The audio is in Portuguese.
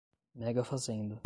Mega fazenda